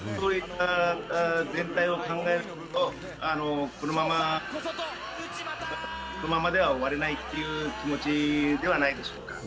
全体を考えるとこのままでは終われないという気持ちではないでしょうか。